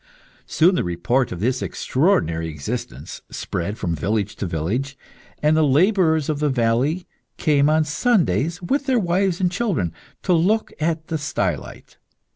Soon the report of this extraordinary existence spread from village to village, and the labourers of the valley came on Sundays, with their wives and children, to look at the stylite.